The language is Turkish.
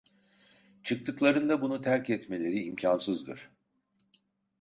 Çıktıklarında bunu terk etmeleri imkânsızdır.